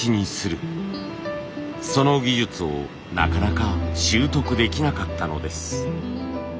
その技術をなかなか習得できなかったのです。